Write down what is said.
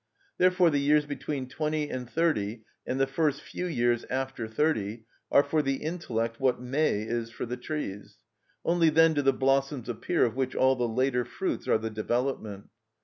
Therefore the years between twenty and thirty and the first few years after thirty are for the intellect what May is for the trees; only then do the blossoms appear of which all the later fruits are the development.